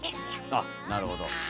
あっなるほど。